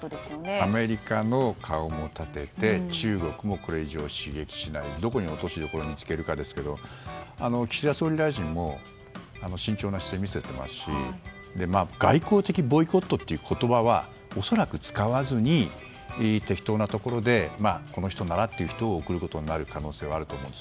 アメリカの顔も立てて中国もこれ以上刺激をしないどこに落としどころを見つけるかですけど岸田総理大臣も慎重な姿勢を見せていますし外交的ボイコットという言葉は恐らく使わずに適当なところでこの人ならという人を送ることになる可能性はあると思います。